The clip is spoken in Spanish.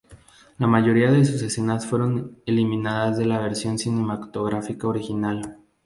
La mayoría de sus escenas fueron eliminadas de la versión cinematográfica original.